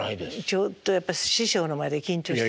ちょっとやっぱり師匠の前で緊張してるから。